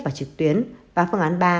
và trực tuyến và phương án ba